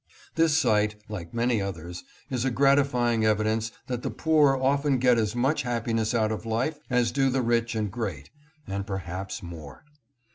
This sight, like many others, is a gratifying evidence that the poor often get as much happiness out of life as do the rich and great, and perhaps more.